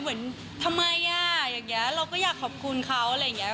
เหมือนทำไมอ่ะอย่างนี้เราก็อยากขอบคุณเขาอะไรอย่างนี้